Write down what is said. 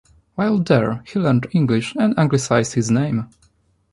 While there, he learned English and anglicized his name.